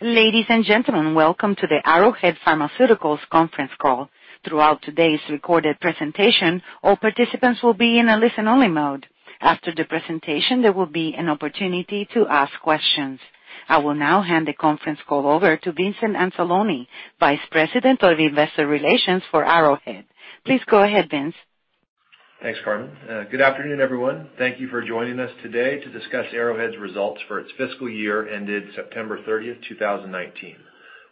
Ladies and gentlemen, welcome to the Arrowhead Pharmaceuticals conference call. Throughout today's recorded presentation, all participants will be in a listen-only mode. After the presentation, there will be an opportunity to ask questions. I will now hand the conference call over to Vincent Anzalone, Vice President of Investor Relations for Arrowhead. Please go ahead, Vince. Thanks, Carmen. Good afternoon, everyone. Thank you for joining us today to discuss Arrowhead's results for its fiscal year ended September thirtieth, 2019.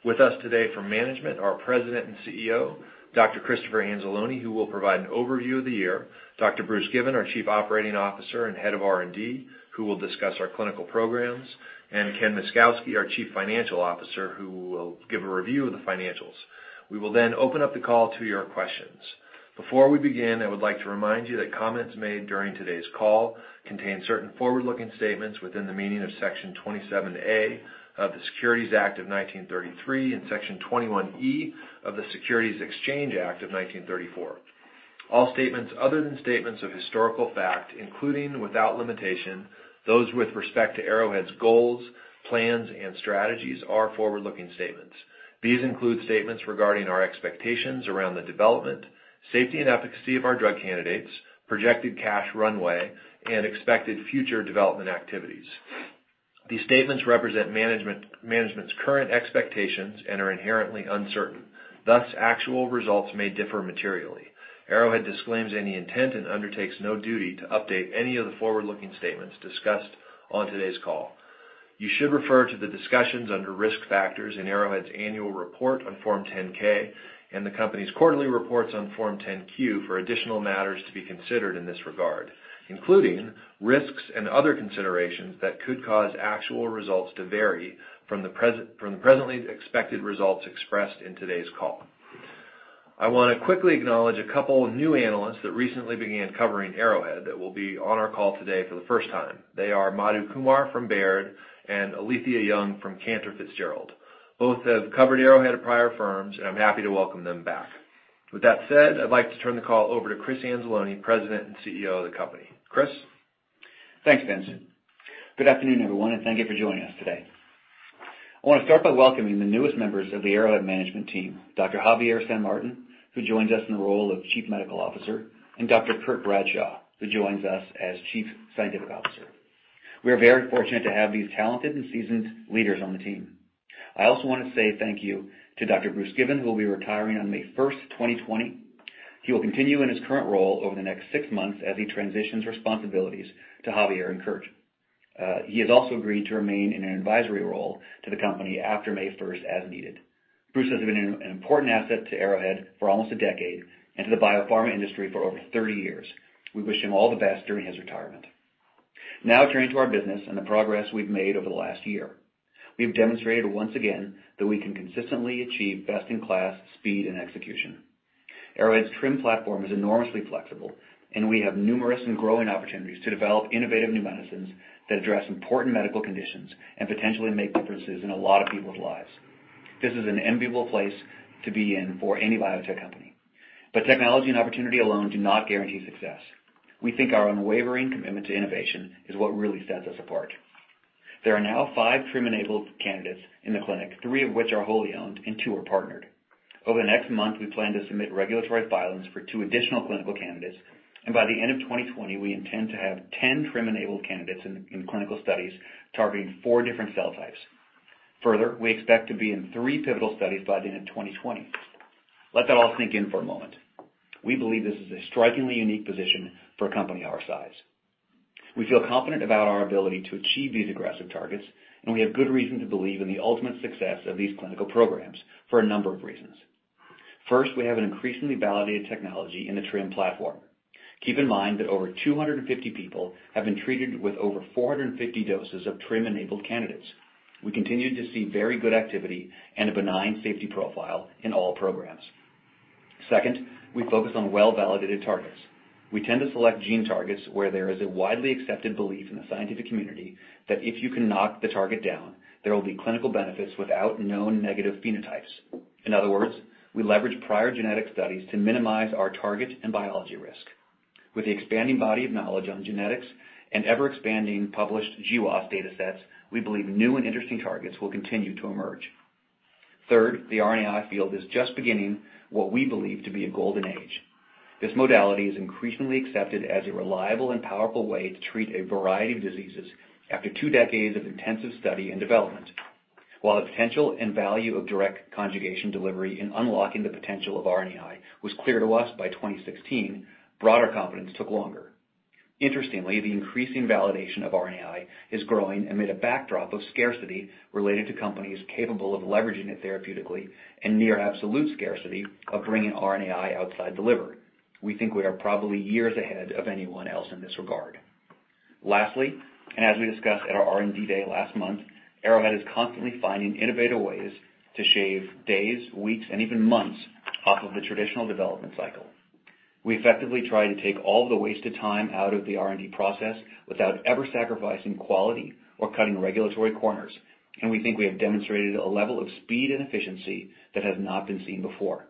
With us today from management, our President and CEO, Dr. Christopher Anzalone, who will provide an overview of the year. Dr. Bruce Given, our Chief Operating Officer and Head of R&D, who will discuss our clinical programs, and Ken Myszkowski, our Chief Financial Officer, who will give a review of the financials. We will then open up the call to your questions. Before we begin, I would like to remind you that comments made during today's call contain certain forward-looking statements within the meaning of Section 27A of the Securities Act of 1933 and Section 21E of the Securities Exchange Act of 1934. All statements other than statements of historical fact, including without limitation, those with respect to Arrowhead's goals, plans, and strategies, are forward-looking statements. These include statements regarding our expectations around the development, safety, and efficacy of our drug candidates, projected cash runway, and expected future development activities. These statements represent management's current expectations and are inherently uncertain. Thus, actual results may differ materially. Arrowhead disclaims any intent and undertakes no duty to update any of the forward-looking statements discussed on today's call. You should refer to the discussions under Risk Factors in Arrowhead's annual report on Form 10-K and the company's quarterly reports on Form 10-Q for additional matters to be considered in this regard, including risks and other considerations that could cause actual results to vary from the presently expected results expressed in today's call. I want to quickly acknowledge a couple of new analysts that recently began covering Arrowhead that will be on our call today for the first time. They are Madhu Kumar from Baird and Alethia Young from Cantor Fitzgerald. Both have covered Arrowhead at prior firms, and I'm happy to welcome them back. With that said, I'd like to turn the call over to Chris Anzalone, President and CEO of the company. Chris? Thanks, Vince. Good afternoon, everyone, and thank you for joining us today. I want to start by welcoming the newest members of the Arrowhead management team, Dr. Javier San Martin, who joins us in the role of Chief Medical Officer, and Dr. Curt Bradshaw, who joins us as Chief Scientific Officer. We are very fortunate to have these talented and seasoned leaders on the team. I also want to say thank you to Dr. Bruce Given, who will be retiring on May 1st, 2020. He will continue in his current role over the next 6 months as he transitions responsibilities to Javier and Curt. He has also agreed to remain in an advisory role to the company after May 1st as needed. Bruce has been an important asset to Arrowhead for almost a decade and to the biopharma industry for over 30 years. We wish him all the best during his retirement. Now turning to our business and the progress we've made over the last year. We've demonstrated once again that we can consistently achieve best-in-class speed and execution. Arrowhead's TRiM platform is enormously flexible, and we have numerous and growing opportunities to develop innovative new medicines that address important medical conditions and potentially make differences in a lot of people's lives. This is an enviable place to be in for any biotech company. Technology and opportunity alone do not guarantee success. We think our unwavering commitment to innovation is what really sets us apart. There are now five TRiM-enabled candidates in the clinic, three of which are wholly owned and two are partnered. Over the next month, we plan to submit regulatory filings for two additional clinical candidates. By the end of 2020, we intend to have 10 TRiM-enabled candidates in clinical studies targeting 4 different cell types. Further, we expect to be in three pivotal studies by the end of 2020. Let that all sink in for a moment. We believe this is a strikingly unique position for a company our size. We feel confident about our ability to achieve these aggressive targets, and we have good reason to believe in the ultimate success of these clinical programs for a number of reasons. First, we have an increasingly validated technology in the TRiM platform. Keep in mind that over 250 people have been treated with over 450 doses of TRiM-enabled candidates. We continue to see very good activity and a benign safety profile in all programs. Second, we focus on well-validated targets. We tend to select gene targets where there is a widely accepted belief in the scientific community that if you can knock the target down, there will be clinical benefits without known negative phenotypes. In other words, we leverage prior genetic studies to minimize our target and biology risk. With the expanding body of knowledge on genetics and ever-expanding published GWAS datasets, we believe new and interesting targets will continue to emerge. Third, the RNAi field is just beginning, what we believe to be a golden age. This modality is increasingly accepted as a reliable and powerful way to treat a variety of diseases after two decades of intensive study and development. While the potential and value of direct conjugation delivery in unlocking the potential of RNAi was clear to us by 2016, broader confidence took longer. Interestingly, the increasing validation of RNAi is growing amid a backdrop of scarcity related to companies capable of leveraging it therapeutically and near absolute scarcity of bringing RNAi outside the liver. We think we are probably years ahead of anyone else in this regard. Lastly, as we discussed at our R&D day last month, Arrowhead is constantly finding innovative ways to shave days, weeks, and even months off of the traditional development cycle. We effectively try to take all the wasted time out of the R&D process without ever sacrificing quality or cutting regulatory corners. We think we have demonstrated a level of speed and efficiency that has not been seen before.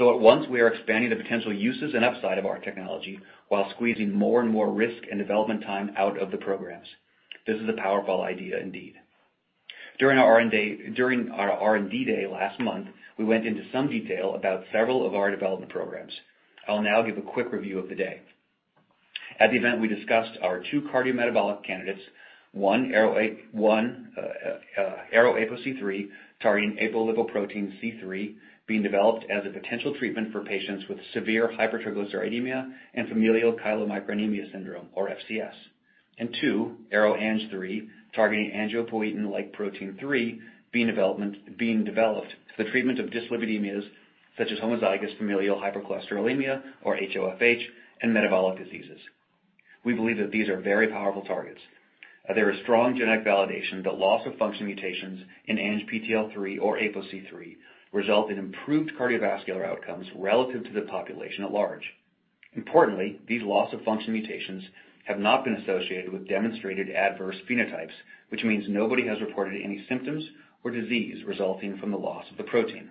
At once, we are expanding the potential uses and upside of our technology while squeezing more and more risk and development time out of the programs. This is a powerful idea indeed. During our R&D Day last month, we went into some detail about several of our development programs. I will now give a quick review of the day. At the event, we discussed our two cardiometabolic candidates, one, ARO-APOC3, targeting apolipoprotein C-III, being developed as a potential treatment for patients with severe hypertriglyceridemia and familial chylomicronemia syndrome, or FCS. Two, ARO-ANG3, targeting angiopoietin-like protein 3, being developed for the treatment of dyslipidemias such as homozygous familial hypercholesterolemia, or HoFH, and metabolic diseases. We believe that these are very powerful targets. There is strong genetic validation that loss-of-function mutations in ANGPTL3 or APOC3 result in improved cardiovascular outcomes relative to the population at large. Importantly, these loss-of-function mutations have not been associated with demonstrated adverse phenotypes, which means nobody has reported any symptoms or disease resulting from the loss of the protein.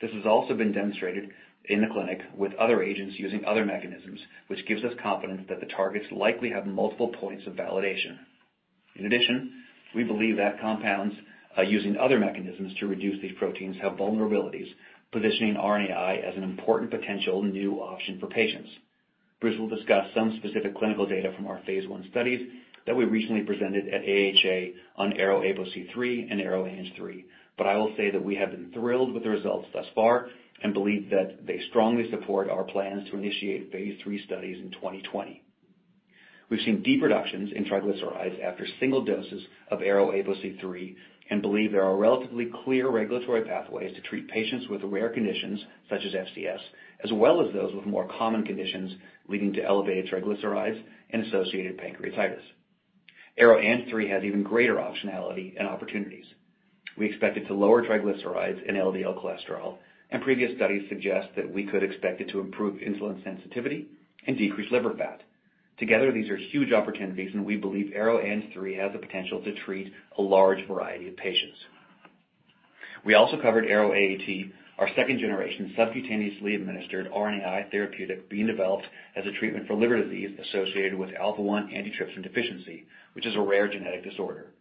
This has also been demonstrated in the clinic with other agents using other mechanisms, which gives us confidence that the targets likely have multiple points of validation. In addition, we believe that compounds using other mechanisms to reduce these proteins have vulnerabilities, positioning RNAi as an important potential new option for patients. Bruce will discuss some specific clinical data from our phase I studies that we recently presented at AHA on ARO-APOC3 and ARO-ANG3. I will say that we have been thrilled with the results thus far and believe that they strongly support our plans to initiate phase III studies in 2020. We've seen deep reductions in triglycerides after single doses of ARO-APOC3 and believe there are relatively clear regulatory pathways to treat patients with rare conditions such as FCS, as well as those with more common conditions leading to elevated triglycerides and associated pancreatitis. ARO-ANG3 has even greater optionality and opportunities. We expect it to lower triglycerides and LDL cholesterol, and previous studies suggest that we could expect it to improve insulin sensitivity and decrease liver fat. Together, these are huge opportunities, and we believe ARO-ANG3 has the potential to treat a large variety of patients. We also covered ARO-AAT, our second-generation subcutaneously administered RNAi therapeutic being developed as a treatment for liver disease associated with alpha-1 antitrypsin deficiency, which is a rare genetic disorder.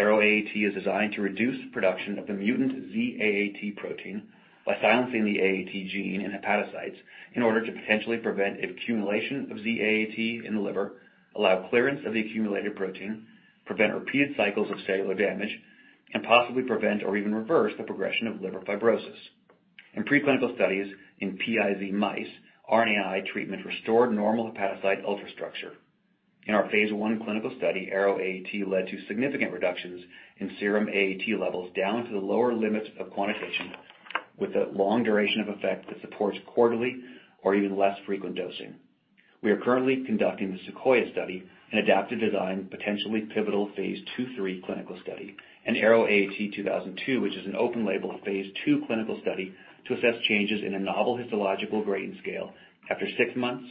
ARO-AAT is designed to reduce production of the mutant Z-AAT protein by silencing the AAT gene in hepatocytes in order to potentially prevent accumulation of Z-AAT in the liver, allow clearance of the accumulated protein, prevent repeated cycles of cellular damage, and possibly prevent or even reverse the progression of liver fibrosis. In preclinical studies in PiZ mice, RNAi treatment restored normal hepatocyte ultra-structure. In our Phase I clinical study, ARO-AAT led to significant reductions in serum AAT levels down to the lower limits of quantitation with a long duration of effect that supports quarterly or even less frequent dosing. We are currently conducting the SEQUOIA study, an adaptive design, potentially pivotal phase II/III clinical study, and AROAAT2002, which is an open-label phase II clinical study to assess changes in a novel histological grading scale after six months,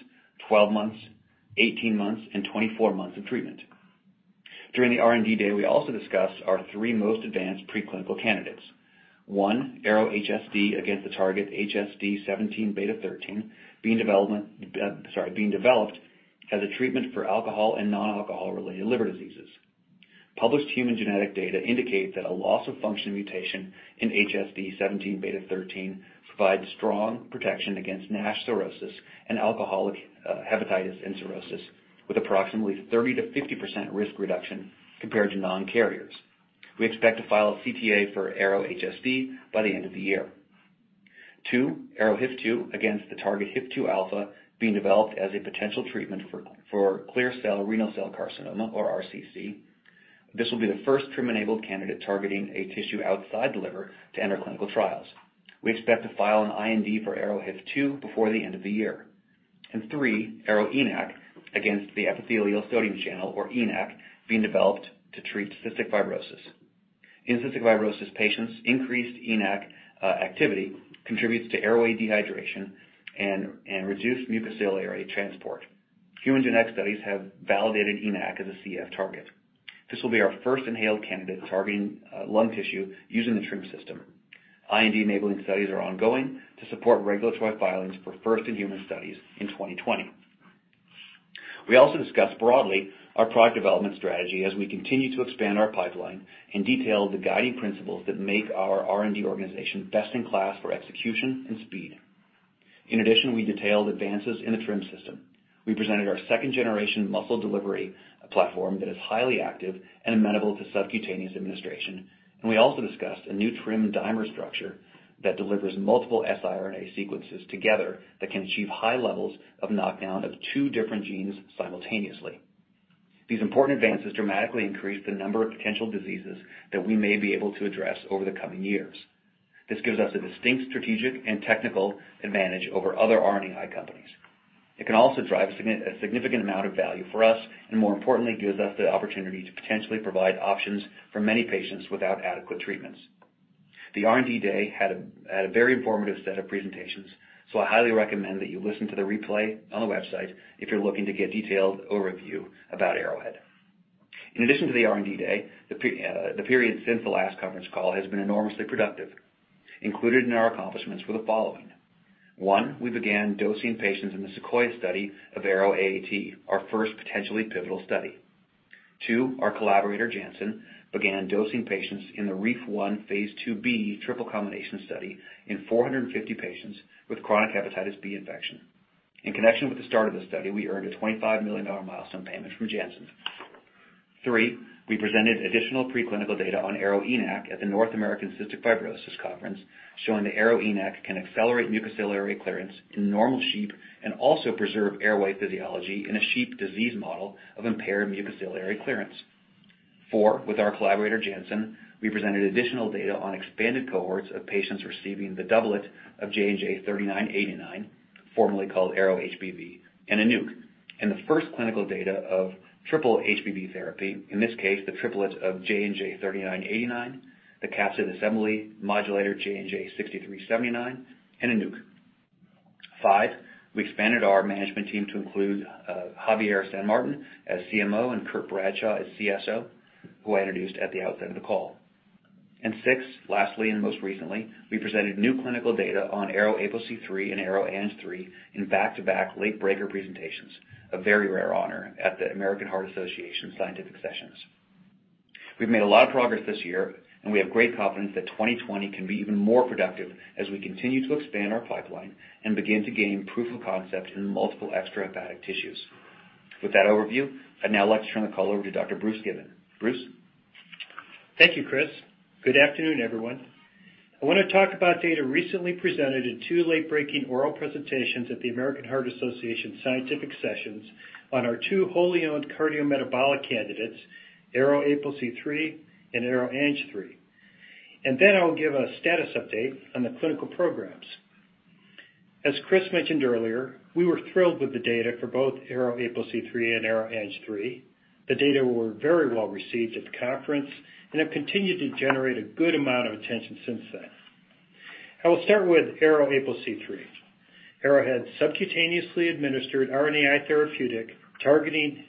12 months, 18 months, and 24 months of treatment. During the R&D Day, we also discussed our three most advanced preclinical candidates. One, ARO-HSD against the target HSD17B13 being developed as a treatment for alcohol and non-alcohol-related liver diseases. Published human genetic data indicate that a loss-of-function mutation in HSD17B13 provides strong protection against NASH cirrhosis and alcoholic hepatitis and cirrhosis with approximately 30%-50% risk reduction compared to non-carriers. We expect to file a CTA for ARO-HSD by the end of the year. Two, ARO-HIF2 against the target HIF2α being developed as a potential treatment for clear cell renal cell carcinoma or RCC. This will be the first TRiM-enabled candidate targeting a tissue outside the liver to enter clinical trials. We expect to file an IND for ARO-HIF2 before the end of the year. 3, ARO-ENaC against the epithelial sodium channel, or ENaC, being developed to treat cystic fibrosis. In cystic fibrosis patients, increased ENaC activity contributes to airway dehydration and reduced mucociliary transport. Human genetic studies have validated ENaC as a CF target. This will be our first inhaled candidate targeting lung tissue using the TRiM system. IND enabling studies are ongoing to support regulatory filings for first-in-human studies in 2020. We also discussed broadly our product development strategy as we continue to expand our pipeline and detail the guiding principles that make our R&D organization best in class for execution and speed. In addition, we detailed advances in the TRiM system. We presented our second-generation muscle delivery platform that is highly active and amenable to subcutaneous administration. We also discussed a new TRiM dimer structure that delivers multiple siRNA sequences together that can achieve high levels of knockdown of two different genes simultaneously. These important advances dramatically increase the number of potential diseases that we may be able to address over the coming years. This gives us a distinct strategic and technical advantage over other RNAi companies. It can also drive a significant amount of value for us, and more importantly, gives us the opportunity to potentially provide options for many patients without adequate treatments. The R&D Day had a very informative set of presentations. I highly recommend that you listen to the replay on the website if you're looking to get detailed overview about Arrowhead. In addition to the R&D Day, the period since the last conference call has been enormously productive. Included in our accomplishments were the following. One, we began dosing patients in the SEQUOIA study of ARO-AAT, our first potentially pivotal study. Two, our collaborator, Janssen, began dosing patients in the REEF-1 phase II-B triple combination study in 450 patients with chronic hepatitis B infection. In connection with the start of the study, we earned a $25 million milestone payment from Janssen. Three, we presented additional preclinical data on ARO-ENaC at the North American Cystic Fibrosis Conference, showing that ARO-ENaC can accelerate mucociliary clearance in normal sheep and also preserve airway physiology in a sheep disease model of impaired mucociliary clearance. 4, with our collaborator, Janssen, we presented additional data on expanded cohorts of patients receiving the doublet of JNJ-3989, formerly called ARO-HBV, and a NUC. The first clinical data of triple HBV therapy, in this case, the triplets of JNJ-3989, the capsid assembly modulator JNJ-6379, and a NUC. 5, we expanded our management team to include Javier San Martin as CMO and Curt Bradshaw as CSO, who I introduced at the outset of the call. 6, lastly and most recently, we presented new clinical data on ARO-APOC3 and ARO-ANG3 in back-to-back late-breaker presentations, a very rare honor, at the American Heart Association Scientific Sessions. We've made a lot of progress this year, and we have great confidence that 2020 can be even more productive as we continue to expand our pipeline and begin to gain proof of concept in multiple extrahepatic tissues. With that overview, I'd now like to turn the call over to Dr. Bruce Given. Bruce? Thank you, Chris. Good afternoon, everyone. I want to talk about data recently presented in two late-breaking oral presentations at the American Heart Association Scientific Sessions on our two wholly owned cardiometabolic candidates, ARO-APOC3 and ARO-ANG3. I'll give a status update on the clinical programs. As Chris mentioned earlier, we were thrilled with the data for both ARO-APOC3 and ARO-ANG3. The data were very well received at the conference and have continued to generate a good amount of attention since then. I will start with ARO-APOC3. Arrowhead's subcutaneously administered RNAi therapeutic targeting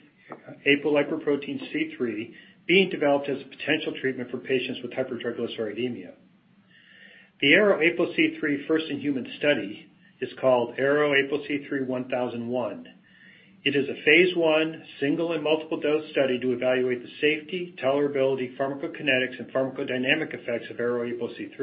apolipoprotein C3, being developed as a potential treatment for patients with hypertriglyceridemia. The ARO-APOC3 first-in-human study is called ARO-APOC3 1001. It is a phase I single and multiple dose study to evaluate the safety, tolerability, pharmacokinetics, and pharmacodynamic effects of ARO-APOC3.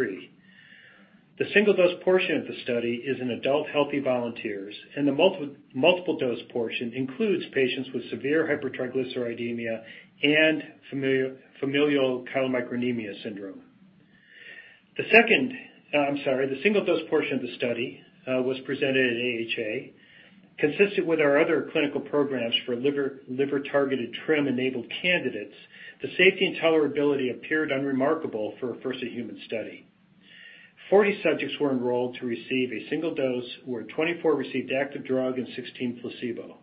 The single-dose portion of the study is in adult healthy volunteers, and the multiple-dose portion includes patients with severe hypertriglyceridemia and familial chylomicronemia syndrome. The single-dose portion of the study was presented at AHA. Consistent with our other clinical programs for liver-targeted TRiM-enabled candidates, the safety and tolerability appeared unremarkable for a first-in-human study. 40 subjects were enrolled to receive a single dose, where 24 received active drug and 16 placebo.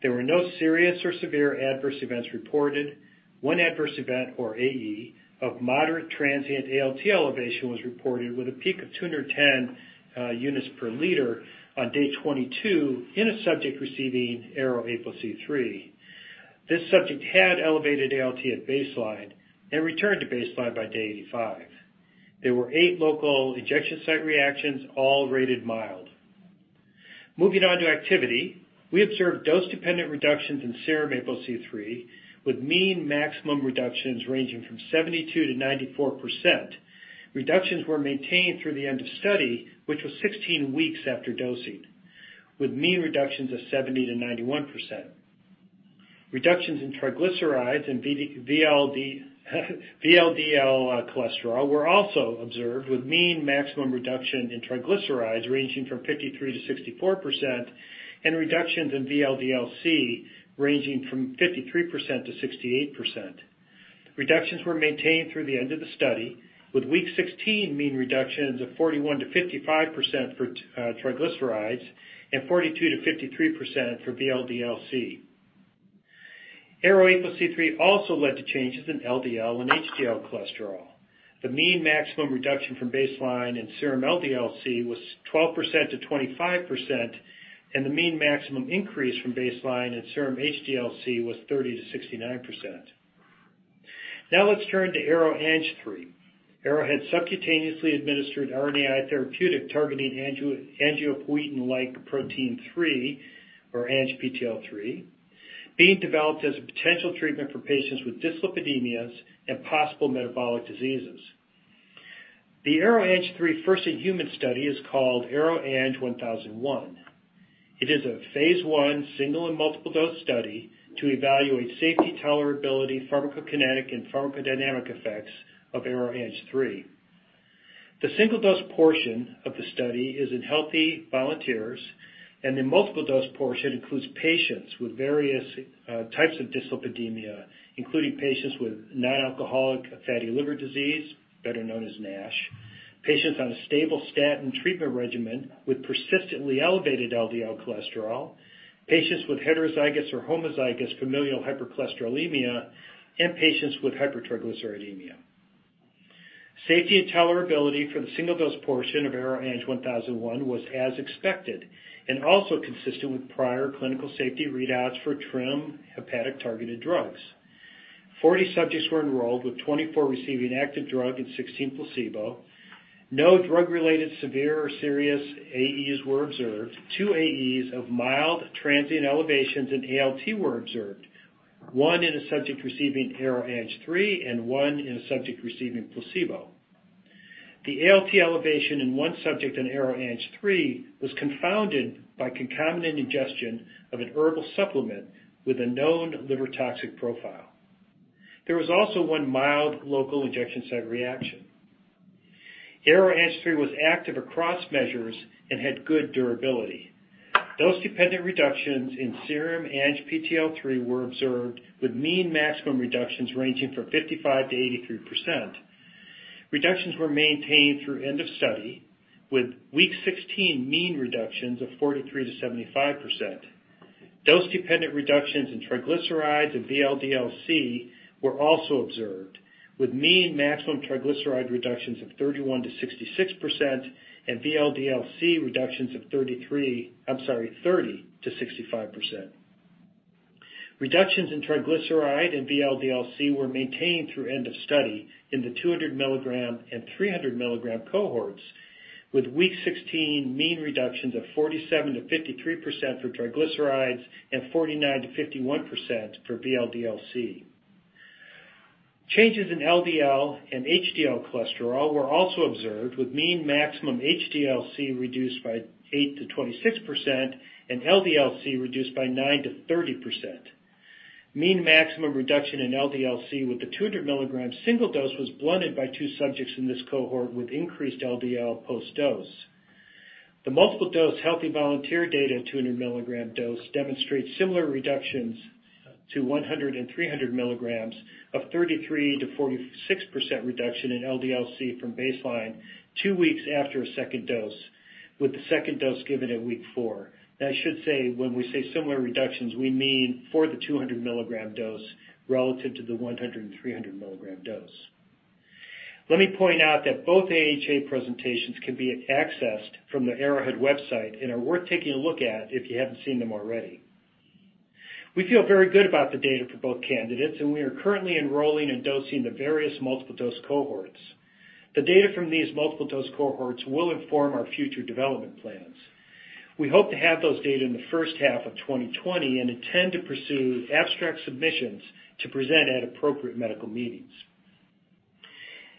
There were no serious or severe adverse events reported. One adverse event, or AE, of moderate transient ALT elevation was reported with a peak of 210 units per liter on day 22 in a subject receiving ARO-APOC3. This subject had elevated ALT at baseline and returned to baseline by day 85. There were eight local injection site reactions, all rated mild. Moving on to activity, we observed dose-dependent reductions in serum APOC3, with mean maximum reductions ranging from 72%-94%. Reductions were maintained through the end of study, which was 16 weeks after dosing, with mean reductions of 70%-91%. Reductions in triglycerides and VLDL cholesterol were also observed, with mean maximum reduction in triglycerides ranging from 53%-64%, and reductions in VLDLC ranging from 53%-68%. Reductions were maintained through the end of the study, with week 16 mean reductions of 41%-55% for triglycerides and 42%-53% for VLDLC. ARO-APOC3 also led to changes in LDL and HDL cholesterol. The mean maximum reduction from baseline in serum LDLC was 12%-25%, and the mean maximum increase from baseline in serum HDLC was 30%-69%. Now let's turn to ARO-ANG3. Arrowhead's subcutaneously administered RNAi therapeutic targeting angiopoietin-like protein 3, or ANGPTL3, being developed as a potential treatment for patients with dyslipidemias and possible metabolic diseases. The ARO-ANG3 first-in-human study is called ARO-ANG1001. It is a phase I single and multiple dose study to evaluate safety, tolerability, pharmacokinetic, and pharmacodynamic effects of ARO-ANG3. The single-dose portion of the study is in healthy volunteers, and the multiple-dose portion includes patients with various types of dyslipidemia, including patients with non-alcoholic fatty liver disease, better known as NASH; patients on a stable statin treatment regimen with persistently elevated LDL cholesterol; patients with heterozygous or homozygous familial hypercholesterolemia; and patients with hypertriglyceridemia. Safety and tolerability for the single-dose portion of ARO-ANG1001 was as expected and also consistent with prior clinical safety readouts for TRiM hepatic-targeted drugs. 40 subjects were enrolled, with 24 receiving active drug and 16 placebo. No drug-related severe or serious AEs were observed. Two AEs of mild transient elevations in ALT were observed, one in a subject receiving ARO-ANG3 and one in a subject receiving placebo. The ALT elevation in one subject in ARO-ANG3 was confounded by concomitant ingestion of an herbal supplement with a known liver toxic profile. There was also one mild local injection site reaction. ARO-ANG3 was active across measures and had good durability. Dose-dependent reductions in serum ANGPTL3 were observed, with mean maximum reductions ranging from 55%-83%. Reductions were maintained through end of study, with week 16 mean reductions of 43%-75%. Dose-dependent reductions in triglycerides and VLDL-C were also observed, with mean maximum triglyceride reductions of 31%-66% and VLDL-C reductions of 30%-65%. Reductions in triglyceride and VLDL-C were maintained through end of study in the 200 milligram and 300 milligram cohorts, with week 16 mean reductions of 47%-53% for triglycerides and 49%-51% for VLDL-C. Changes in LDL and HDL cholesterol were also observed, with mean maximum HDL-C reduced by 8%-26% and LDL-C reduced by 9%-30%. Mean maximum reduction in LDL-C with the 200 milligram single dose was blunted by two subjects in this cohort with increased LDL post-dose. The multiple-dose healthy volunteer data at 200 milligram dose demonstrates similar reductions to 100 and 300 milligrams of 33%-46% reduction in LDL-C from baseline two weeks after a second dose, with the second dose given at week four. I should say, when we say similar reductions, we mean for the 200 milligram dose relative to the 100 and 300 milligram dose. Let me point out that both AHA presentations can be accessed from the arrowhead website and are worth taking a look at if you haven't seen them already. We feel very good about the data for both candidates, we are currently enrolling and dosing the various multiple-dose cohorts. The data from these multiple-dose cohorts will inform our future development plans. We hope to have those data in the first half of 2020 and intend to pursue abstract submissions to present at appropriate medical meetings.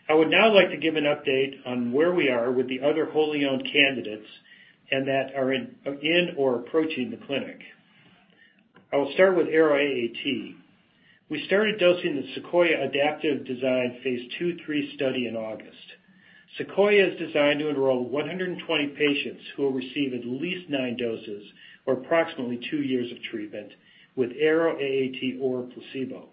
I would now like to give an update on where we are with the other wholly owned candidates and that are in or approaching the clinic. I will start with ARO-AAT. We started dosing the SEQUOIA adaptive design phase II/III study in August. SEQUOIA is designed to enroll 120 patients who will receive at least nine doses, or approximately two years of treatment, with ARO-AAT or a placebo.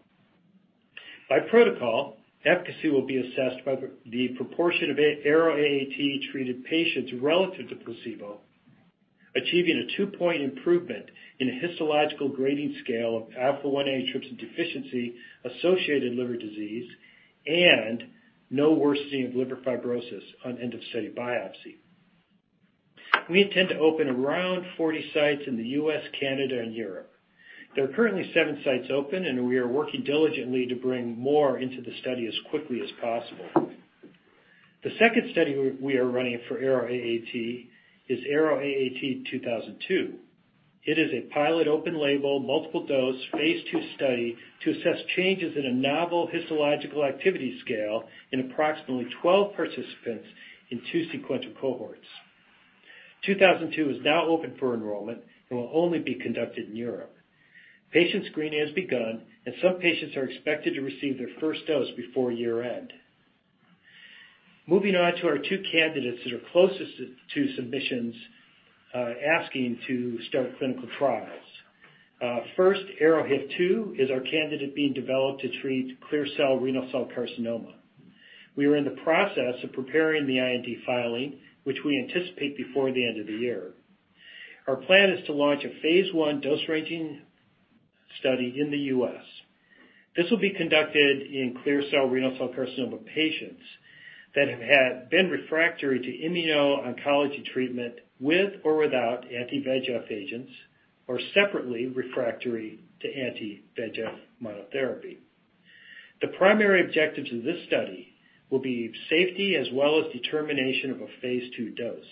By protocol, efficacy will be assessed by the proportion of ARO-AAT-treated patients relative to placebo, achieving a two-point improvement in a histological grading scale of alpha-1 antitrypsin deficiency associated liver disease, and no worsening of liver fibrosis on end-of-study biopsy. We intend to open around 40 sites in the U.S., Canada, and Europe. There are currently seven sites open, we are working diligently to bring more into the study as quickly as possible. The second study we are running for ARO-AAT is ARO-AAT 2002. It is a pilot open-label, multiple-dose, phase II study to assess changes in a novel histological activity scale in approximately 12 participants in two sequential cohorts. 2002 is now open for enrollment and will only be conducted in Europe. Patient screening has begun, and some patients are expected to receive their first dose before year-end. Moving on to our two candidates that are closest to submissions, asking to start clinical trials. ARO-HIF2 is our candidate being developed to treat clear cell renal cell carcinoma. We are in the process of preparing the IND filing, which we anticipate before the end of the year. Our plan is to launch a Phase I dose-ranging study in the U.S. This will be conducted in clear cell renal cell carcinoma patients that have been refractory to immuno-oncology treatment with or without anti-VEGF agents, or separately refractory to anti-VEGF monotherapy. The primary objectives of this study will be safety as well as determination of a Phase II dose.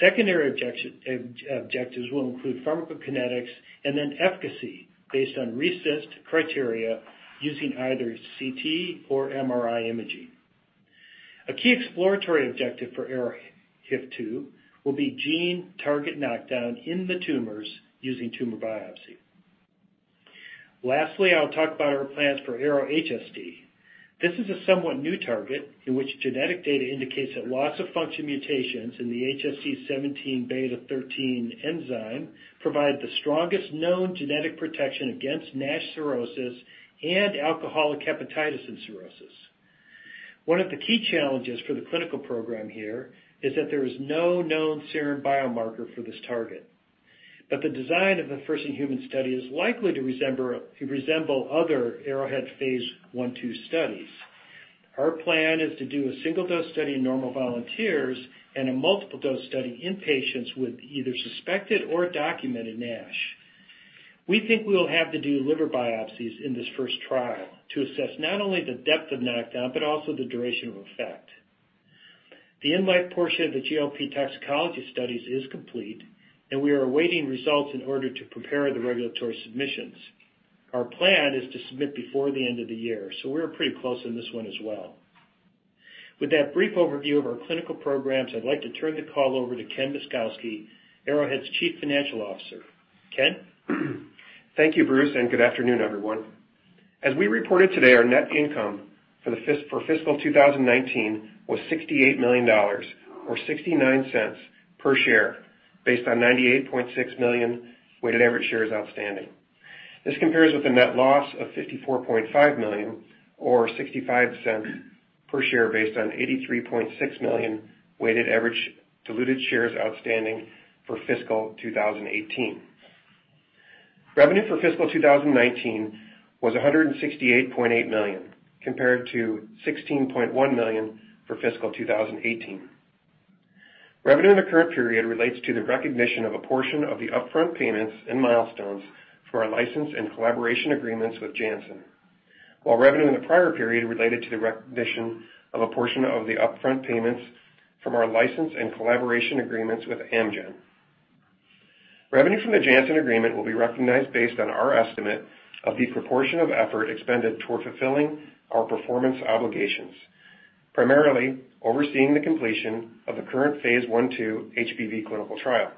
Secondary objectives will include pharmacokinetics and then efficacy based on RECIST criteria using either CT or MRI imaging. A key exploratory objective for ARO-HIF2 will be gene target knockdown in the tumors using tumor biopsy. Lastly, I'll talk about our plans for ARO-HSD. This is a somewhat new target in which genetic data indicates that loss-of-function mutations in the HSD17B13 enzyme provide the strongest known genetic protection against NASH cirrhosis and alcoholic hepatitis and cirrhosis. One of the key challenges for the clinical program here is that there is no known serum biomarker for this target. The design of the first-in-human study is likely to resemble other Arrowhead phase I/II studies. Our plan is to do a single-dose study in normal volunteers and a multiple-dose study in patients with either suspected or documented NASH. We think we will have to do liver biopsies in this first trial to assess not only the depth of knockdown but also the duration of effect. The in life portion of the GLP toxicology studies is complete, and we are awaiting results in order to prepare the regulatory submissions. Our plan is to submit before the end of the year. We're pretty close on this one as well. With that brief overview of our clinical programs, I'd like to turn the call over to Ken Myszkowski, Arrowhead's Chief Financial Officer. Ken? Thank you, Bruce. Good afternoon, everyone. As we reported today, our net income for fiscal 2019 was $68 million, or $0.69 per share, based on 98.6 million weighted average shares outstanding. This compares with a net loss of $54.5 million, or $0.65 per share, based on 83.6 million weighted average diluted shares outstanding for fiscal 2018. Revenue for fiscal 2019 was $168.8 million, compared to $16.1 million for fiscal 2018. Revenue in the current period relates to the recognition of a portion of the upfront payments and milestones for our license and collaboration agreements with Janssen. While revenue in the prior period related to the recognition of a portion of the upfront payments from our license and collaboration agreements with Amgen. Revenue from the Janssen agreement will be recognized based on our estimate of the proportion of effort expended toward fulfilling our performance obligations, primarily overseeing the completion of the current phase I/II HBV clinical trial.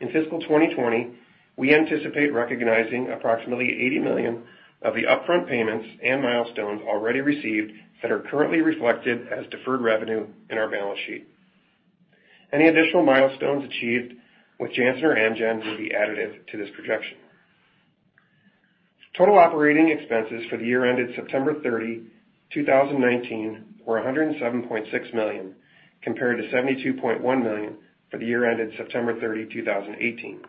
In fiscal 2020, we anticipate recognizing approximately $80 million of the upfront payments and milestones already received that are currently reflected as deferred revenue in our balance sheet. Any additional milestones achieved with Janssen or Amgen will be additive to this projection. Total operating expenses for the year ended September 30, 2019, were $107.6 million, compared to $72.1 million for the year ended September 30, 2018.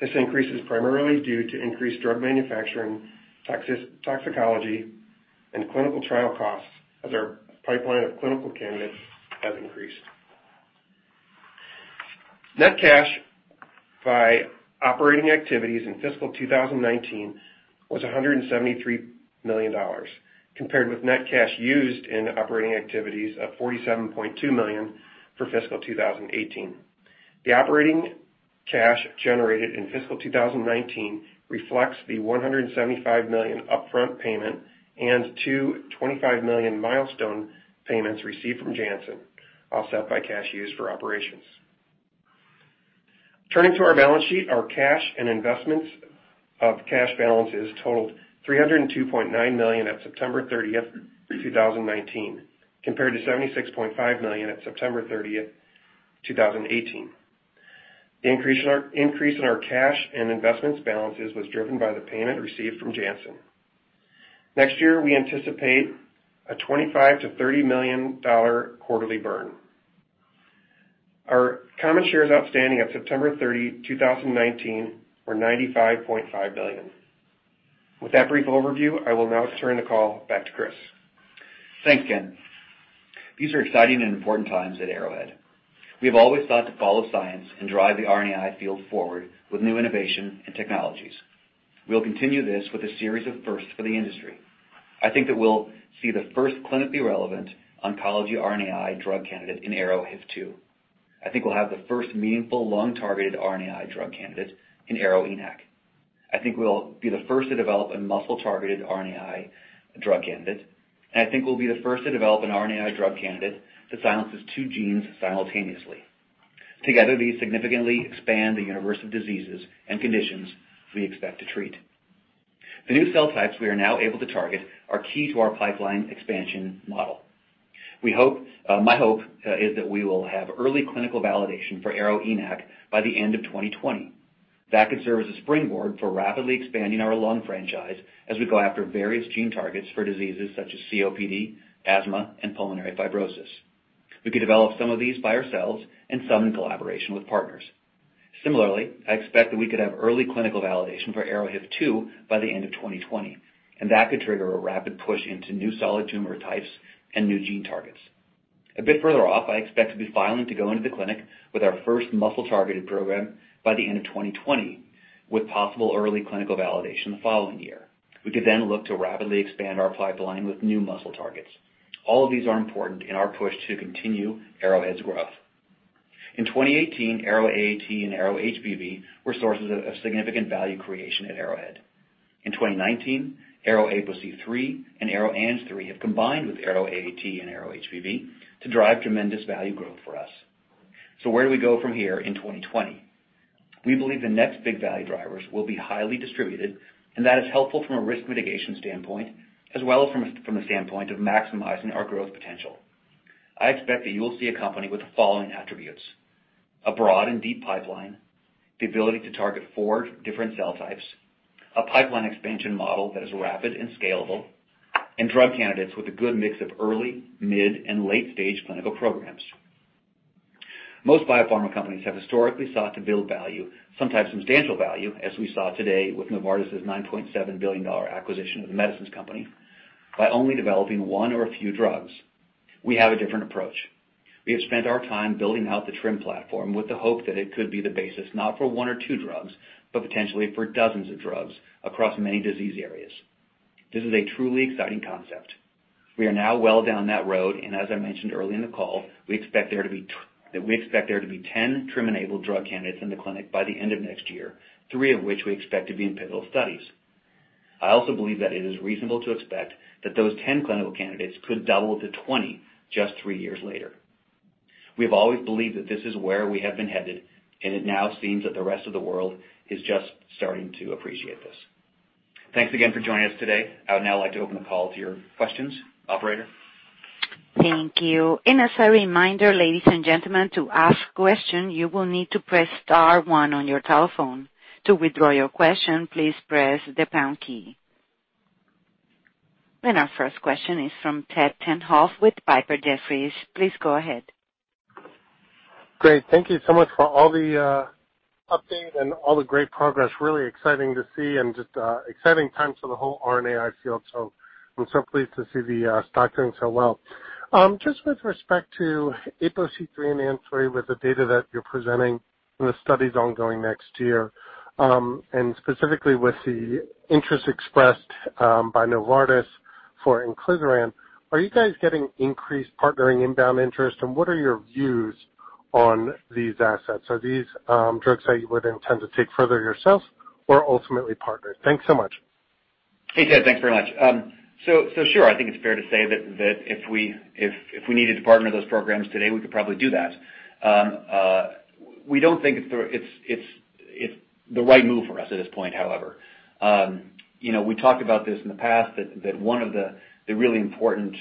This increase is primarily due to increased drug manufacturing, toxicology, and clinical trial costs as our pipeline of clinical candidates has increased. Net cash by operating activities in fiscal 2019 was $173 million, compared with net cash used in operating activities of $47.2 million for fiscal 2018. The operating cash generated in fiscal 2019 reflects the $175 million upfront payment and two $25 million milestone payments received from Janssen, offset by cash used for operations. Turning to our balance sheet, our cash and investments of cash balances totaled $302.9 million at September 30, 2019, compared to $76.5 million at September 30, 2018. The increase in our cash and investments balances was driven by the payment received from Janssen. Next year, we anticipate a $25 million-$30 million quarterly burn. Our common shares outstanding at September 30, 2019, were 95.5 million. With that brief overview, I will now turn the call back to Chris. Thanks, Ken. These are exciting and important times at Arrowhead. We have always sought to follow science and drive the RNAi field forward with new innovation and technologies. We'll continue this with a series of firsts for the industry. I think that we'll see the first clinically relevant oncology RNAi drug candidate in ARO-HIF2. I think we'll have the first meaningful lung-targeted RNAi drug candidate in ARO-ENaC. I think we'll be the first to develop a muscle-targeted RNAi drug candidate, and I think we'll be the first to develop an RNAi drug candidate that silences two genes simultaneously. Together, these significantly expand the universe of diseases and conditions we expect to treat. The new cell types we are now able to target are key to our pipeline expansion model. My hope is that we will have early clinical validation for ARO-ENaC by the end of 2020. That could serve as a springboard for rapidly expanding our lung franchise as we go after various gene targets for diseases such as COPD, asthma, and pulmonary fibrosis. We could develop some of these by ourselves and some in collaboration with partners. Similarly, I expect that we could have early clinical validation for ARO-HIF2 by the end of 2020. That could trigger a rapid push into new solid tumor types and new gene targets. A bit further off, I expect to be filing to go into the clinic with our first muscle-targeted program by the end of 2020, with possible early clinical validation the following year. We could look to rapidly expand our pipeline with new muscle targets. All of these are important in our push to continue Arrowhead's growth. In 2018, ARO-AAT and ARO-HBV were sources of significant value creation at Arrowhead. In 2019, ARO-APOC3 and ARO-ANG3 have combined with ARO-AAT and ARO-HBV to drive tremendous value growth for us. Where do we go from here in 2020? We believe the next big value drivers will be highly distributed, and that is helpful from a risk mitigation standpoint as well as from a standpoint of maximizing our growth potential. I expect that you will see a company with the following attributes. A broad and deep pipeline, the ability to target four different cell types, a pipeline expansion model that is rapid and scalable. Drug candidates with a good mix of early, mid, and late-stage clinical programs. Most biopharma companies have historically sought to build value, sometimes substantial value, as we saw today with Novartis's $9.7 billion acquisition of The Medicines Company, by only developing one or a few drugs. We have a different approach. We have spent our time building out the TRiM platform with the hope that it could be the basis not for one or two drugs, but potentially for dozens of drugs across many disease areas. This is a truly exciting concept. We are now well down that road, and as I mentioned early in the call, we expect there to be 10 TRiM-enabled drug candidates in the clinic by the end of next year, three of which we expect to be in pivotal studies. I also believe that it is reasonable to expect that those 10 clinical candidates could double to 20 just three years later. It now seems that the rest of the world is just starting to appreciate this. Thanks again for joining us today. I would now like to open the call to your questions. Operator? Thank you. As a reminder, ladies and gentlemen, to ask question, you will need to press star one on your telephone. To withdraw your question, please press the pound key. Our first question is from Ted Tenthoff with Piper Jaffray. Please go ahead. Great. Thank you so much for all the updates and all the great progress. Really exciting to see and just exciting times for the whole RNAi field. I'm so pleased to see the stock doing so well. Just with respect to APOC3 and ANG3, with the data that you're presenting and the studies ongoing next year. Specifically with the interest expressed by Novartis for inclisiran, are you guys getting increased partnering inbound interest, and what are your views on these assets? Are these drugs that you would intend to take further yourselves or ultimately partner? Thanks so much. Hey, Ted. Thanks very much. Sure. I think it's fair to say that if we needed to partner those programs today, we could probably do that. We don't think it's the right move for us at this point, however. We talked about this in the past, that one of the really important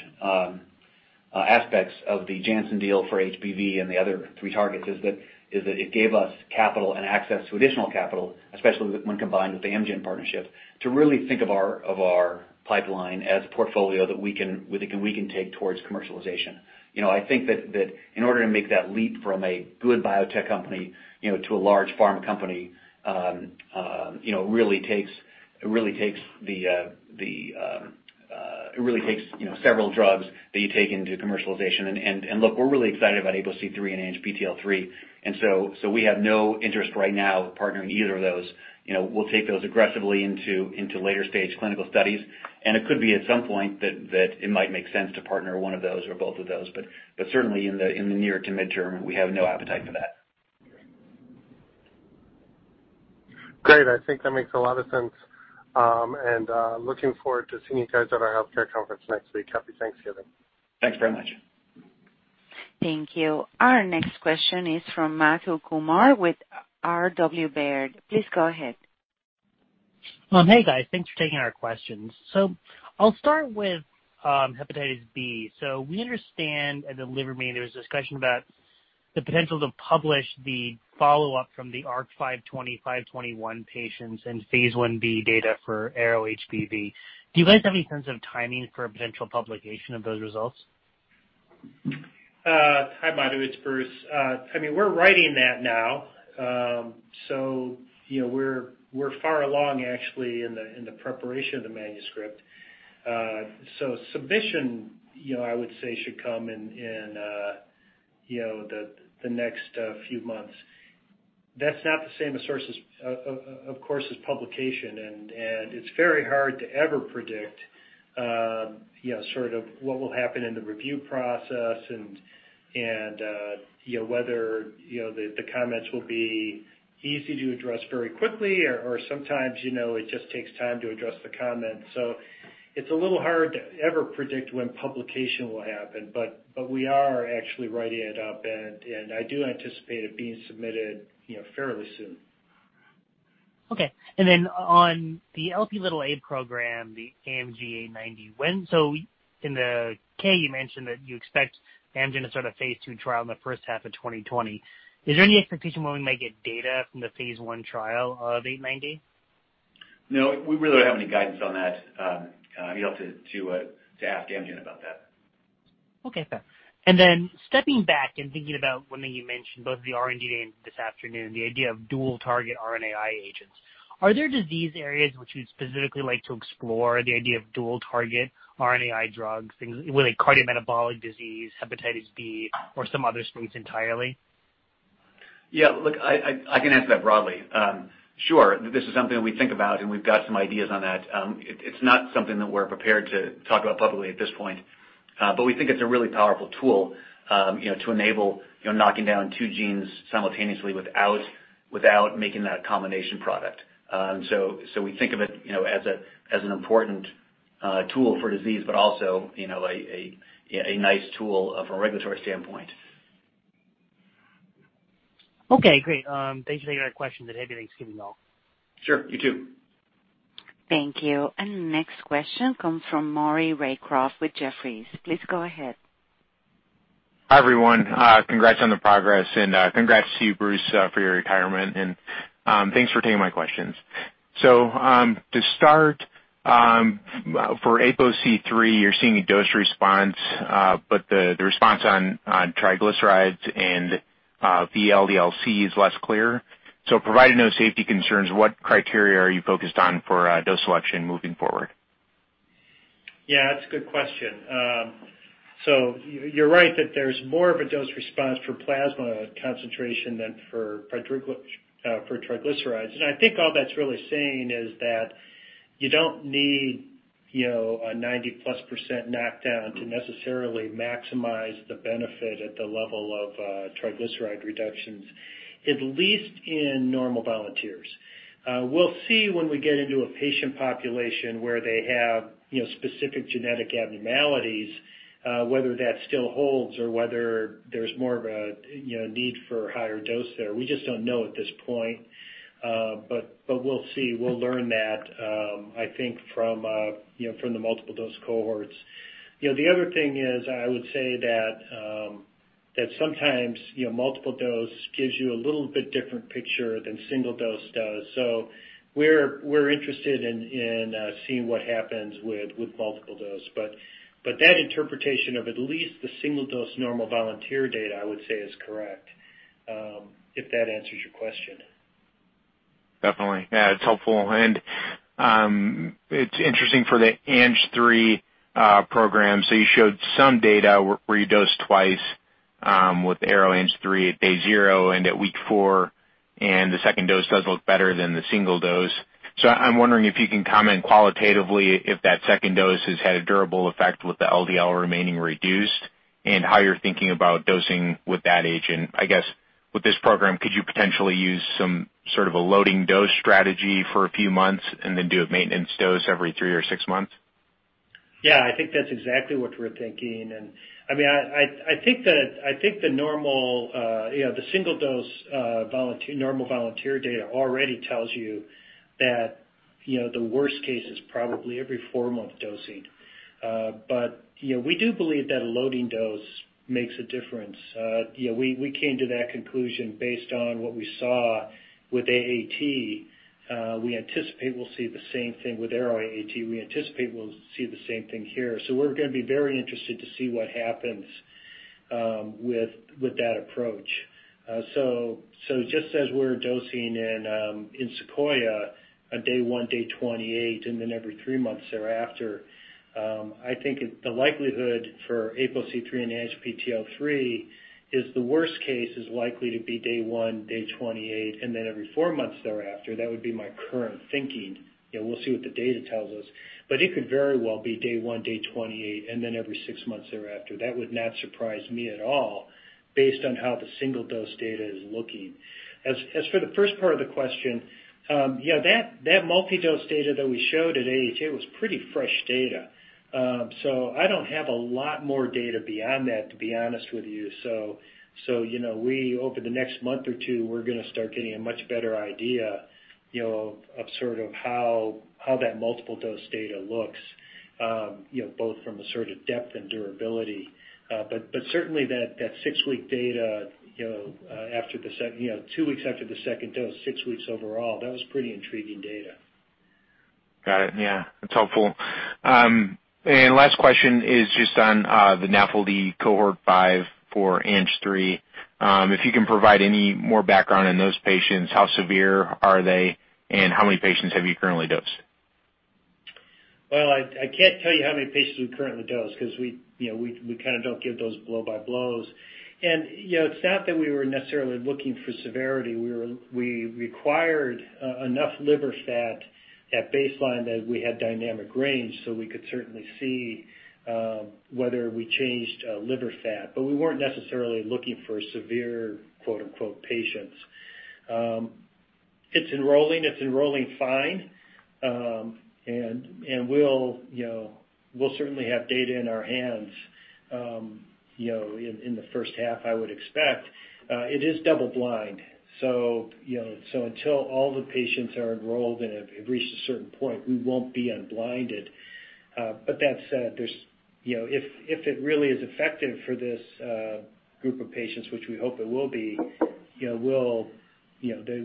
aspects of the Janssen deal for HBV and the other three targets is that it gave us capital and access to additional capital, especially when combined with the Amgen partnership, to really think of our pipeline as a portfolio that we can take towards commercialization. I think that in order to make that leap from a good biotech company to a large pharma company it really takes several drugs that you take into commercialization. Look, we're really excited about APOC3 and ANG3. We have no interest right now in partnering either of those. We'll take those aggressively into later-stage clinical studies. It could be at some point that it might make sense to partner one of those or both of those. Certainly in the near to midterm, we have no appetite for that. Great. I think that makes a lot of sense. Looking forward to seeing you guys at our healthcare conference next week. Happy Thanksgiving. Thanks very much. Thank you. Our next question is from Madhu Kumar with RW Baird. Please go ahead. Hey, guys. Thanks for taking our questions. I'll start with hepatitis B. We understand at the Liver Meeting, there was a discussion about the potential to publish the follow-up from the ARC-520/521 patients and phase I-B data for ARW-HBV. Do you guys have any sense of timing for a potential publication of those results? Hi, Madhu. It's Bruce. We're writing that now. We're far along, actually, in the preparation of the manuscript. Submission, I would say, should come in the next few months. That's not the same as sources, of course, as publication, and it's very hard to ever predict sort of what will happen in the review process and whether the comments will be easy to address very quickly or sometimes it just takes time to address the comments. It's a little hard to ever predict when publication will happen, but we are actually writing it up, and I do anticipate it being submitted fairly soon. Okay. On the Lp(a) program, the AMG 890. In the K, you mentioned that you expect Amgen to start a phase II trial in the first half of 2020. Is there any expectation when we might get data from the phase I trial of 890? No, we really don't have any guidance on that. You'll have to ask Amgen about that. Okay, fair. Stepping back and thinking about one thing you mentioned, both the R&D day and this afternoon, the idea of dual target RNAi agents. Are there disease areas which you'd specifically like to explore the idea of dual target RNAi drugs, things like cardiometabolic disease, hepatitis B, or some other space entirely? Yeah, look, I can answer that broadly. Sure. This is something that we think about, and we've got some ideas on that. It's not something that we're prepared to talk about publicly at this point. We think it's a really powerful tool to enable knocking down two genes simultaneously without making that a combination product. We think of it as an important tool for disease, but also a nice tool from a regulatory standpoint. Okay, great. Thanks for taking our question today. Happy Thanksgiving, y'all. Sure. You too. Thank you. Next question comes from Maury Raycroft with Jefferies. Please go ahead. Hi, everyone. Congrats on the progress, congrats to you, Bruce, for your retirement, thanks for taking my questions. To start, for APOC3, you're seeing a dose response, the response on triglycerides and VLDLC is less clear. Provided no safety concerns, what criteria are you focused on for dose selection moving forward? Yeah, that's a good question. You're right that there's more of a dose response for plasma concentration than for triglycerides. I think all that's really saying is that you don't need a 90-plus% knockdown to necessarily maximize the benefit at the level of triglyceride reductions, at least in normal volunteers. We'll see when we get into a patient population where they have specific genetic abnormalities, whether that still holds or whether there's more of a need for higher dose there. We just don't know at this point. We'll see. We'll learn that, I think, from the multiple dose cohorts. The other thing is, I would say that sometimes, multiple dose gives you a little bit different picture than single dose does. We're interested in seeing what happens with multiple dose. That interpretation of at least the single dose normal volunteer data, I would say, is correct. If that answers your question? Definitely. Yeah, it's helpful. It's interesting for the ANGPTL3 program. You showed some data where you dosed twice with ARO-ANG3 at day zero and at week four, and the second dose does look better than the single dose. I'm wondering if you can comment qualitatively if that second dose has had a durable effect with the LDL remaining reduced and how you're thinking about dosing with that agent. I guess, with this program, could you potentially use some sort of a loading dose strategy for a few months and then do a maintenance dose every three or six months? Yeah, I think that's exactly what we're thinking. I think the single dose normal volunteer data already tells you that the worst case is probably every four-month dosing. We do believe that a loading dose makes a difference. We came to that conclusion based on what we saw with AAT. We anticipate we'll see the same thing with ARO-AAT. We anticipate we'll see the same thing here. We're going to be very interested to see what happens with that approach. Just as we're dosing in SEQUOIA, at day one, day 28, and then every three months thereafter, I think the likelihood for APOC3 and ANGPTL3 is the worst case is likely to be day one, day 28, and then every four months thereafter. That would be my current thinking. We'll see what the data tells us. It could very well be day one, day 28, and then every six months thereafter. That would not surprise me at all based on how the single-dose data is looking. As for the first part of the question, that multi-dose data that we showed at AAT was pretty fresh data. I don't have a lot more data beyond that, to be honest with you. Over the next month or two, we're going to start getting a much better idea of how that multiple dose data looks, both from the sort of depth and durability. Certainly that six-week data, two weeks after the second dose, six weeks overall, that was pretty intriguing data. Got it. Yeah. That's helpful. Last question is just on the NAFLD cohort 5 for ANGPTL3. If you can provide any more background on those patients, how severe are they, and how many patients have you currently dosed? Well, I can't tell you how many patients we've currently dosed because we kind of don't give those blow-by-blows. It's not that we were necessarily looking for severity. We required enough liver fat at baseline that we had dynamic range, so we could certainly see whether we changed liver fat. We weren't necessarily looking for severe, quote unquote, patients. It's enrolling. It's enrolling fine. We'll certainly have data in our hands in the first half, I would expect. It is double blind, so until all the patients are enrolled and have reached a certain point, we won't be unblinded. That said, if it really is effective for this group of patients, which we hope it will be, then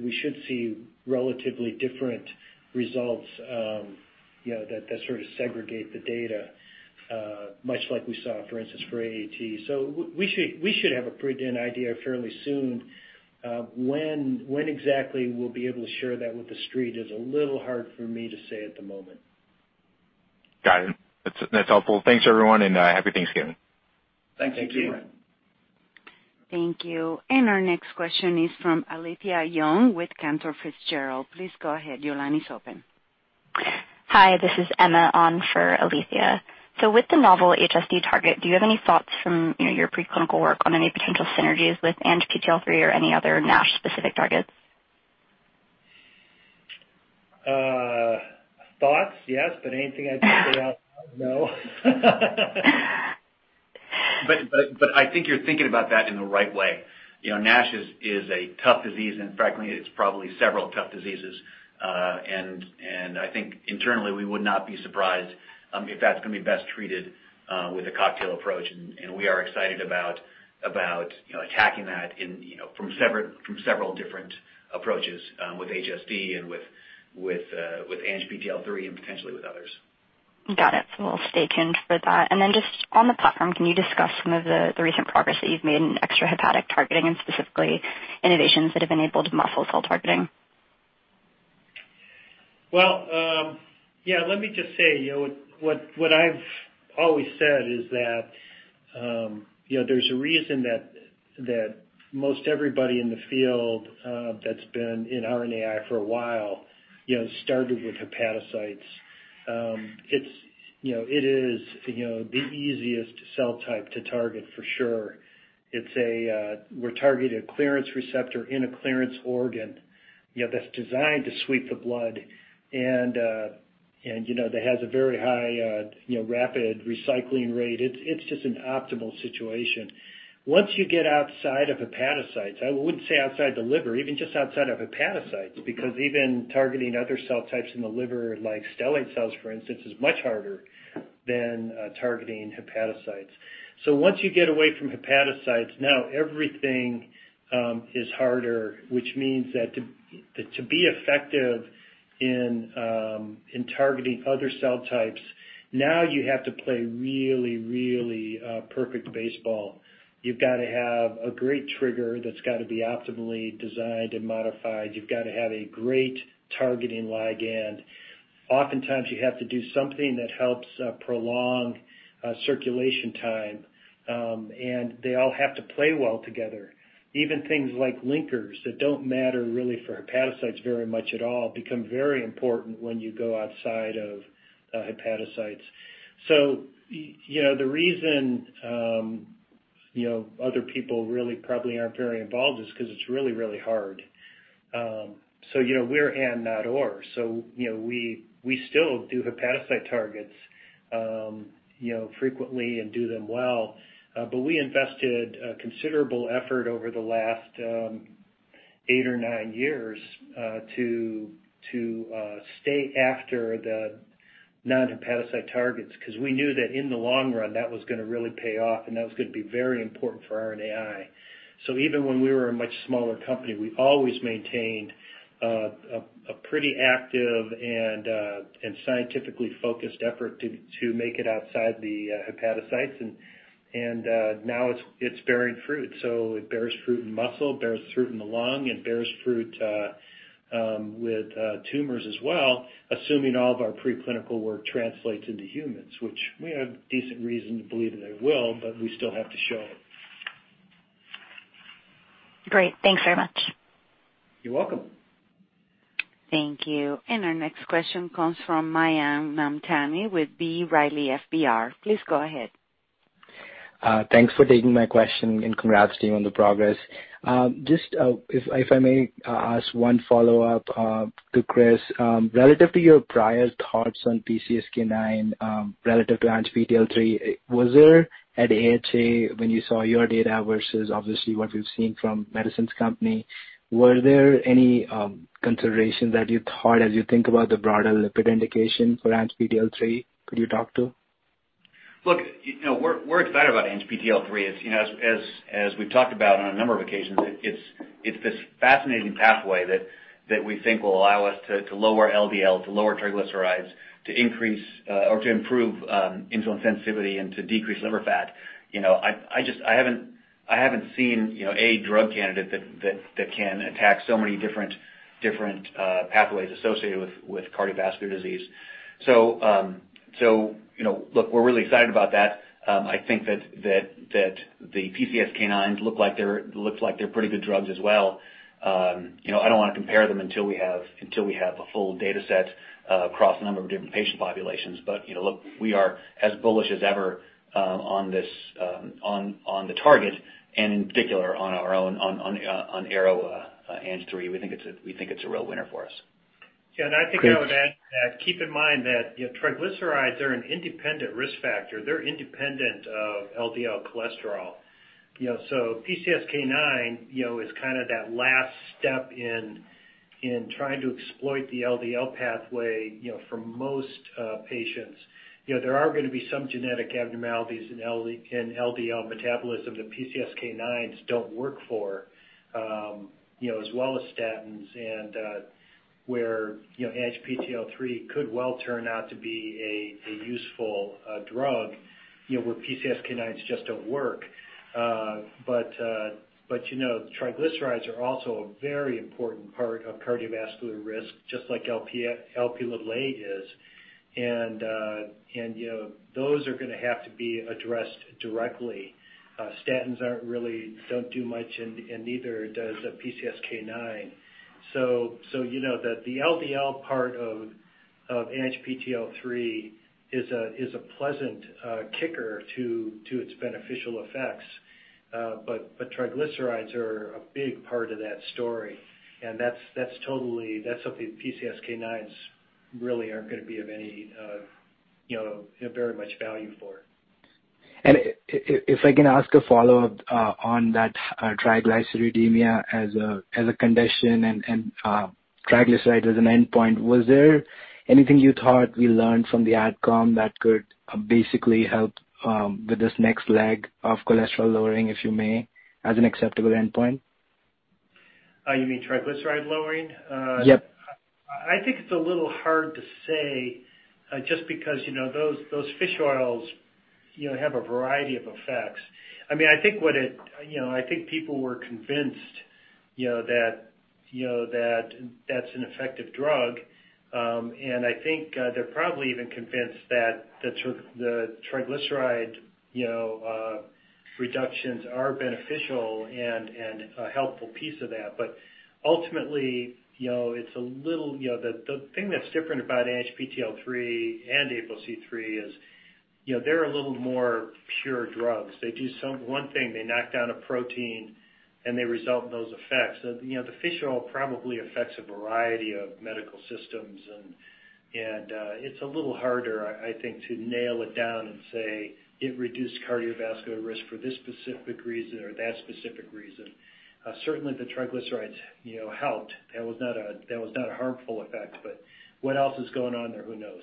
we should see relatively different results that sort of segregate the data, much like we saw, for instance, for AAT. We should have a pretty good idea fairly soon. When exactly we'll be able to share that with the street is a little hard for me to say at the moment. Got it. That's helpful. Thanks, everyone, and Happy Thanksgiving. Thanks. Thank you. Thank you. Thank you. Our next question is from Alethia Young with Cantor Fitzgerald. Please go ahead. Your line is open. Hi, this is Emma on for Alethia. With the novel HSD target, do you have any thoughts from your preclinical work on any potential synergies with ANGPTL3 or any other NASH specific targets? Thoughts, yes, but anything I'd share out loud, no. I think you're thinking about that in the right way. NASH is a tough disease, and frankly, it's probably several tough diseases. I think internally, we would not be surprised if that's going to be best treated with a cocktail approach. We are excited about attacking that from several different approaches with HSD and with ANGPTL3, and potentially with others. Got it. We'll stay tuned for that. Just on the platform, can you discuss some of the recent progress that you've made in extrahepatic targeting and specifically innovations that have enabled muscle cell targeting? Well, yeah. Let me just say, what I've always said is that there's a reason that most everybody in the field that's been in RNAi for a while, started with hepatocytes. It is the easiest cell type to target for sure. We're targeting a clearance receptor in a clearance organ that's designed to sweep the blood and that has a very high rapid recycling rate. It's just an optimal situation. Once you get outside of hepatocytes, I wouldn't say outside the liver, even just outside of hepatocytes, because even targeting other cell types in the liver, like stellate cells, for instance, is much harder than targeting hepatocytes. Once you get away from hepatocytes, now everything is harder, which means that to be effective in targeting other cell types, now you have to play really perfect baseball. You've got to have a great trigger that's got to be optimally designed and modified. You've got to have a great targeting ligand. Oftentimes, you have to do something that helps prolong circulation time. They all have to play well together. Even things like linkers that don't matter really for hepatocytes very much at all, become very important when you go outside of hepatocytes. The reason other people really probably aren't very involved is because it's really hard. We're and, not or. We still do hepatocyte targets frequently and do them well. We invested considerable effort over the last eight or nine years to stay after the non-hepatocyte targets, because we knew that in the long run, that was going to really pay off, and that was going to be very important for RNAi. Even when we were a much smaller company, we always maintained a pretty active and scientifically focused effort to make it outside the hepatocytes. Now it's bearing fruit. It bears fruit in muscle, bears fruit in the lung, and bears fruit with tumors as well, assuming all of our preclinical work translates into humans, which we have decent reason to believe that it will, but we still have to show it. Great. Thanks very much. You're welcome. Thank you. Our next question comes from Mayank Mamtani with B. Riley FBR. Please go ahead. Thanks for taking my question. Congrats to you on the progress. Just if I may ask one follow-up to Chris. Relative to your prior thoughts on PCSK9, relative to ANGPTL3, was there at AHA when you saw your data versus obviously what we've seen from Medicines Company? Were there any considerations that you thought as you think about the broader lipid indication for ANGPTL3 could you talk to? We're excited about ANGPTL3. As we've talked about on a number of occasions, it's this fascinating pathway that we think will allow us to lower LDL, to lower triglycerides, to increase or to improve insulin sensitivity, and to decrease liver fat. I haven't seen a drug candidate that can attack so many different pathways associated with cardiovascular disease. Look, we're really excited about that. I think that the PCSK9s look like they're pretty good drugs as well. I don't want to compare them until we have a full data set across a number of different patient populations. Look, we are as bullish as ever on the target and in particular on our own, on ARO-ANG3. We think it's a real winner for us. Yeah, I think I would add that, keep in mind that triglycerides are an independent risk factor. They're independent of LDL cholesterol. PCSK9 is that last step in trying to exploit the LDL pathway for most patients. There are going to be some genetic abnormalities in LDL metabolism that PCSK9s don't work for, as well as statins, and where ANGPTL3 could well turn out to be a useful drug where PCSK9s just don't work. Triglycerides are also a very important part of cardiovascular risk, just like Lp is. Those are going to have to be addressed directly. Statins don't do much, and neither does PCSK9. The LDL part of ANGPTL3 is a pleasant kicker to its beneficial effects. Triglycerides are a big part of that story, and that's something PCSK9s really aren't going to be of any, you know, very much value for. If I can ask a follow-up on that, hypertriglyceridemia as a condition and triglyceride as an endpoint, was there anything you thought we learned from the outcome that could basically help with this next leg of cholesterol lowering, if you may, as an acceptable endpoint? You mean triglyceride lowering? Yep. I think it's a little hard to say, just because those fish oils have a variety of effects. I think people were convinced that that's an effective drug. I think they're probably even convinced that the triglyceride reductions are beneficial and a helpful piece of that. Ultimately, the thing that's different about ANGPTL3 and APOC3 is they're a little more pure drugs. They do one thing, they knock down a protein, and they result in those effects. The fish oil probably affects a variety of medical systems and it's a little harder, I think, to nail it down and say it reduced cardiovascular risk for this specific reason or that specific reason. Certainly, the triglycerides helped. That was not a harmful effect. What else is going on there? Who knows.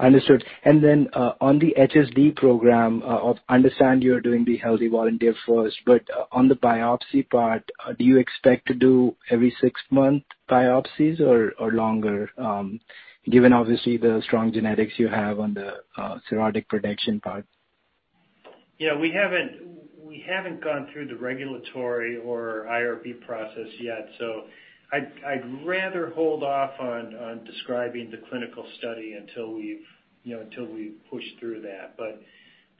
Understood. On the HSD program, I understand you're doing the healthy volunteer first, on the biopsy part, do you expect to do every six month biopsies or longer? Given obviously the strong genetics you have on the cirrhotic protection part. We haven't gone through the regulatory or IRB process yet, so I'd rather hold off on describing the clinical study until we've pushed through that.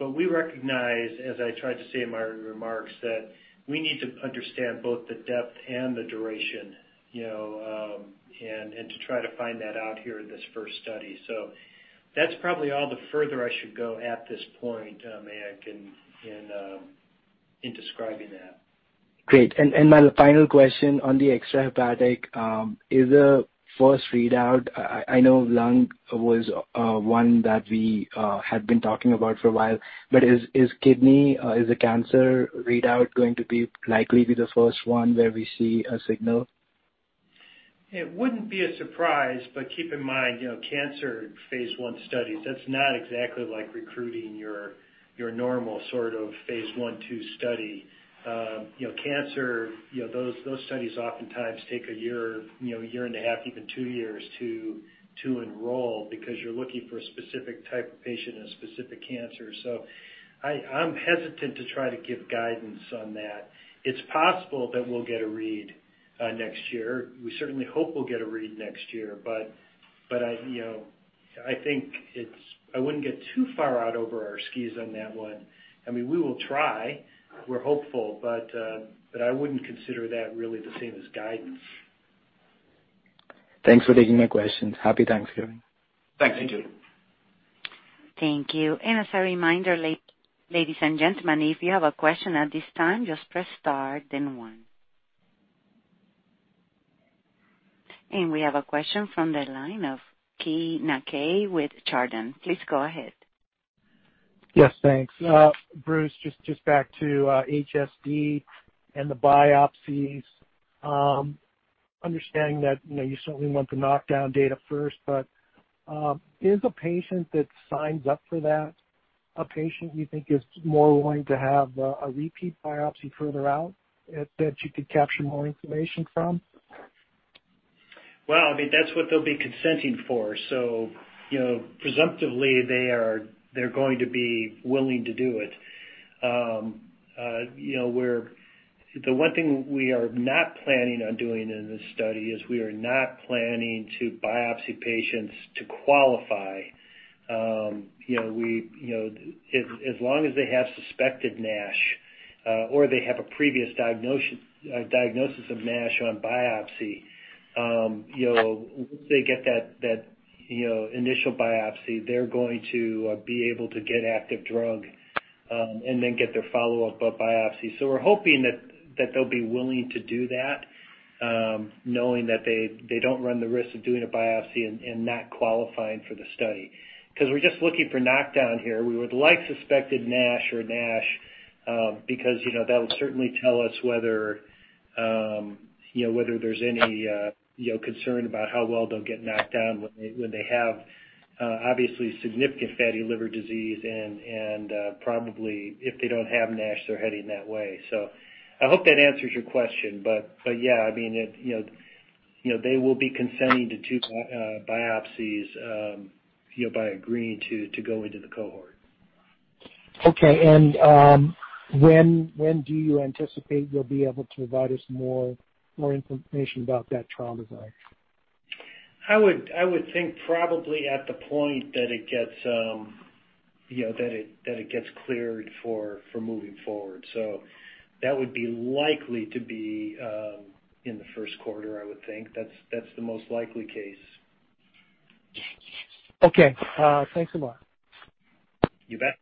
We recognize, as I tried to say in my remarks, that we need to understand both the depth and the duration, and to try to find that out here in this first study. That's probably all the further I should go at this point, Mayank, in describing that. Great. My final question on the extrahepatic. Is the first readout, I know lung was one that we had been talking about for a while, but is kidney, is the cancer readout going to likely be the first one where we see a signal? It wouldn't be a surprise, keep in mind, cancer phase I studies, that's not exactly like recruiting your normal sort of phase I, II study. Cancer, those studies oftentimes take a year and a half, even two years to enroll because you're looking for a specific type of patient and a specific cancer. I'm hesitant to try to give guidance on that. It's possible that we'll get a read next year. We certainly hope we'll get a read next year. I wouldn't get too far out over our skis on that one. We will try. We're hopeful, but I wouldn't consider that really the same as guidance. Thanks for taking my questions. Happy Thanksgiving. Thanks. You too. Thank you. As a reminder, ladies and gentlemen, if you have a question at this time, just press star then one. We have a question from the line of Keay Nakae with Chardan. Please go ahead. Yes, thanks. Bruce, just back to HSD and the biopsies. Understanding that you certainly want the knockdown data first, is a patient that signs up for that a patient you think is more willing to have a repeat biopsy further out that you could capture more information from? Well, that's what they'll be consenting for. Presumptively, they're going to be willing to do it. The one thing we are not planning on doing in this study is we are not planning to biopsy patients to qualify. As long as they have suspected NASH or they have a previous diagnosis of NASH on biopsy, once they get that initial biopsy, they're going to be able to get active drug and then get their follow-up biopsy. We're hoping that they'll be willing to do that, knowing that they don't run the risk of doing a biopsy and not qualifying for the study. We're just looking for knockdown here. We would like suspected NASH or NASH because that'll certainly tell us whether there's any concern about how well they'll get knocked down when they have obviously significant fatty liver disease and probably if they don't have NASH, they're heading that way. I hope that answers your question, but yeah, they will be consenting to two biopsies by agreeing to go into the cohort. Okay. When do you anticipate you'll be able to provide us more information about that trial design? I would think probably at the point that it gets cleared for moving forward. That would be likely to be in the first quarter, I would think. That's the most likely case. Okay. Thanks a lot. You bet.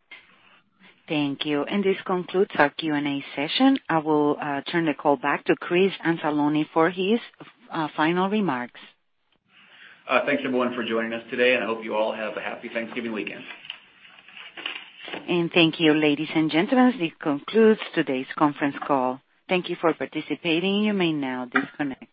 Thank you. This concludes our Q&A session. I will turn the call back to Chris Anzalone for his final remarks. Thanks, everyone, for joining us today, and I hope you all have a happy Thanksgiving weekend. Thank you, ladies and gentlemen. This concludes today's conference call. Thank you for participating. You may now disconnect.